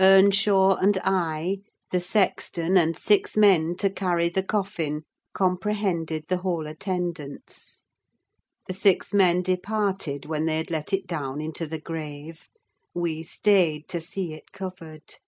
Earnshaw and I, the sexton, and six men to carry the coffin, comprehended the whole attendance. The six men departed when they had let it down into the grave: we stayed to see it covered.